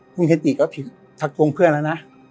คุณเฮติก็ทักทวงเพื่อนแล้วนะ